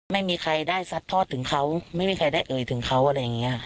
ไม่มีใครได้ซัดทอดถึงเขาไม่มีใครได้เอ่ยถึงเขาอะไรอย่างนี้